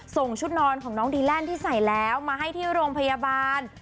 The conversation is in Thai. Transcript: ส่งชุดนอนของน้องดีแลนด์ที่ใส่แล้วมาให้ที่โรงพยาบาล